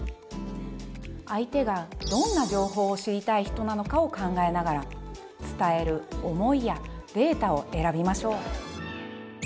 相手がどんな情報を知りたい人なのかを考えながら伝える「思い」や「データ」を選びましょう。